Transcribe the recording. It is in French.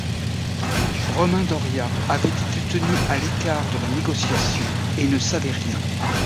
Romain Doria avait été tenu à l'écart de la négociation et ne savait rien.